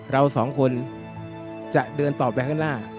เราสองคนจะเดินต่อไปข้างหน้า